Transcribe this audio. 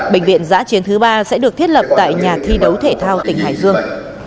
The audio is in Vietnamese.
bệnh viện giã chiến thứ ba sẽ được thiết lập tại nhà thi đấu thể thao tỉnh hải dương